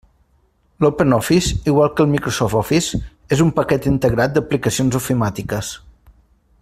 L'OpenOffice, igual que el Microsoft Office, és un paquet integrat d'aplicacions ofimàtiques.